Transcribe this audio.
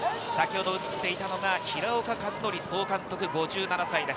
先ほど映っていたのが平岡和徳総監督、５７歳です。